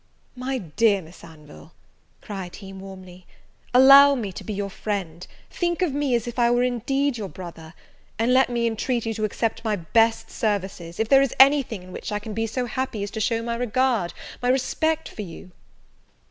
"My dear Miss Anville," cried he, warmly, "allow me to be your friend; think of me as if I were indeed your brother; and let me intreat you to accept my best services, if there is any thing in which I can be so happy as to show my regard, my respect for you!"